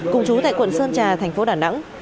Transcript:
cùng chú tại quận sơn trà thành phố đà nẵng